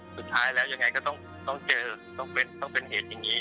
สุดท้ายแล้วยังไงก็ต้องเจอต้องเป็นเหตุอย่างนี้